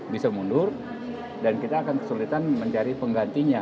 bisa mundur dan kita akan kesulitan mencari penggantinya